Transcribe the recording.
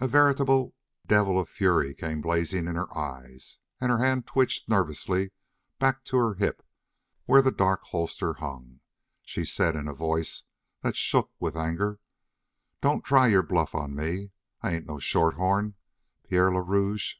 A veritable devil of fury came blazing in her eyes, and her hand twitched nervously back to her hip where the dark holster hung. She said in a voice that shook with anger: "Don't try your bluff on me. I ain't no shorthorn, Pierre le Rouge."